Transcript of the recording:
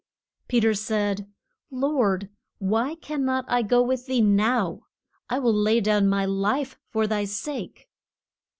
Pe ter said, Lord, why can not I go with thee now? I will lay down my life for thy sake!